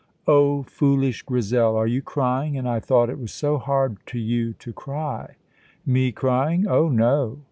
Oh, foolish Grizel, are you crying, and I thought it was so hard to you to cry! "Me crying! Oh, no!"